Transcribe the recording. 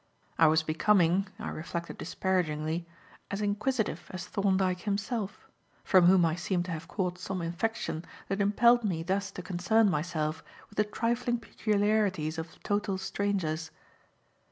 I was becoming, I reflected disparagingly, as inquisitive as Thorndyke himself; from whom I seemed to have caught some infection that impelled me thus to concern myself with the trifling peculiarities of total strangers.